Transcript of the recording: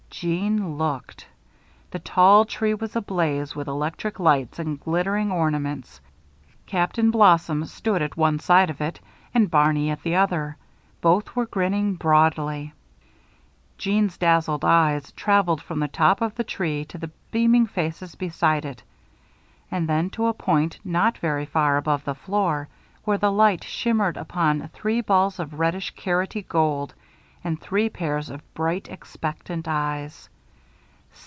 Jeanne looked. The tall tree was ablaze with electric lights and glittering ornaments. Captain Blossom stood at one side of it, and Barney at the other. Both were grinning broadly. Jeanne's dazzled eyes traveled from the top of the tree to the beaming faces beside it; and then to a point not very far above the floor, where the light shimmered upon three balls of reddish, carroty gold and three pairs of bright, expectant eyes.